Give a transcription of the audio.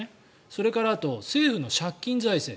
それから、あと政府の借金財政